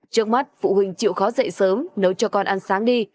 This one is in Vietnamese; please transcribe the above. trước mắt phụ huynh chịu khó dậy sớm nấu cho con ăn sáng đi